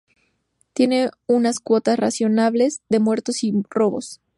Tienen unas cuotas "razonables" de muertos y robos.